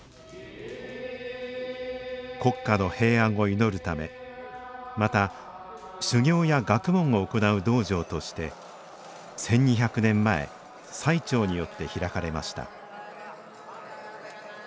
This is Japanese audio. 国家の平安を祈るためまた修行や学問を行う道場として１２００年前最澄によって開かれました